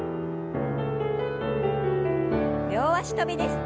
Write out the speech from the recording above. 両脚跳びです。